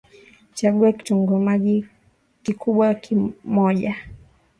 Chagua kitunguu maji kikubwa moja